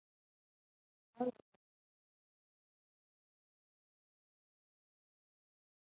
Logan has campaigned for Brandon City Council on two occasions.